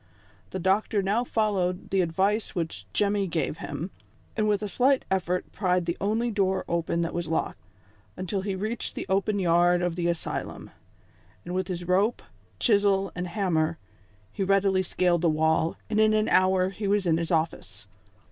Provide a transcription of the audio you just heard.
The Doctor now followed the advice which Jemmy gave him, and with a slight effort pried the only door open that was locked, until he reached the open yard of the asjdum ; and with his rope, chisel and hammer, he readily scaled the wall, and in an hour he was in his office.